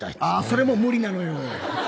それもう無理なのよ。